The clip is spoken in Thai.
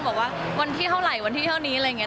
บอกว่าวันที่เท่าไหร่วันที่เท่านี้อะไรอย่างนี้